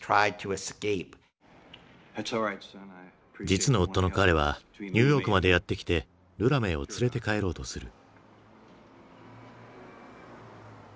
実の夫の彼はニューヨークまでやって来てルラメーを連れて帰ろうとする。